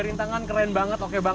cinta hanya selalu ngebet tobak